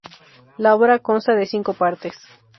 La obra consta de cinco partes.